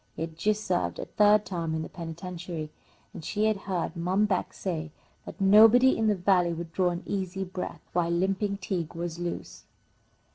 He had just served a third term in the penitentiary, and she had heard Mom Beck say that nobody in the Valley would draw an easy breath while Limping Tige was loose.